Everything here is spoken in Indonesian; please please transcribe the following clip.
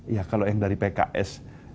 ya kalau yang dari pks